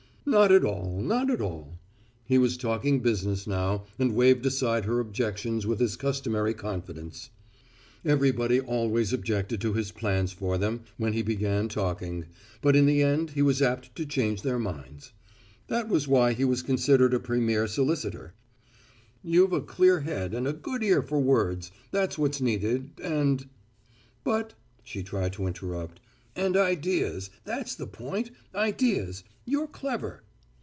"Not at all, not at all;" he was talking business now and waved aside her objections with his customary confidence. Everybody always objected to his plans for them when he began talking, but in the end he was apt to change their minds. That was why he was considered a premier solicitor. "You've a clear head and a good ear for words, that's what's needed, and " "But " she tried to interrupt. "And ideas, that's the point, ideas. You're clever."